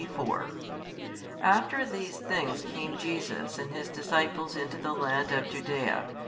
22, 23, 24 After these things came Jesus and His disciples into the land of Judaea.